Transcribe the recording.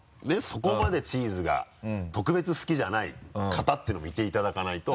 そこまでチーズが特別好きじゃない方っていうのもいていただかないと。